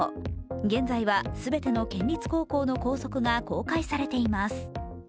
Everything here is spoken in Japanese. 現在はすべての県立高校の校則が公開されています。